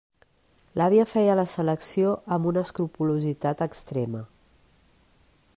L'àvia feia la selecció amb una escrupolositat extrema.